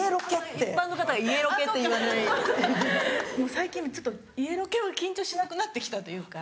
最近家ロケは緊張しなくなってきたというか。